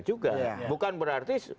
juga bukan berarti